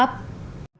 trong thông tin